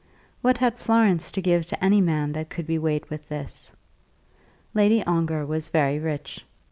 What had Florence to give to any man that could be weighed with this? Lady Ongar was very rich.